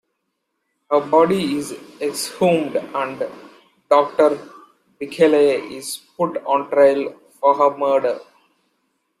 Her body is exhumed and Doctor Bickleigh is put on trial for her murder.